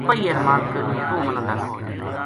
پَہی ارماند کروں توہ منا دس